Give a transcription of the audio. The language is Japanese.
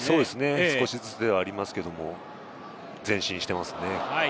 少しずつではありますけれども前進していますね。